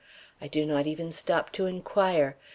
I do not even stop to inquire.